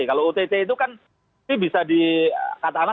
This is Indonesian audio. kalau ott itu kan bisa dikatakan